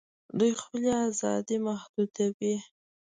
دوی خپلي آزادۍ محدودوي